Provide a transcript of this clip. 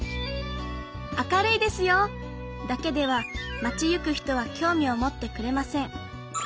「明るいですよ」だけでは町行く人は興味を持ってくれません。